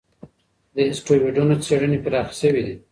د اسټروېډونو څېړنې پراخې شوې دي.